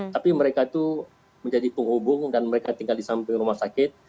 tapi mereka itu menjadi penghubung dan mereka tinggal di samping rumah sakit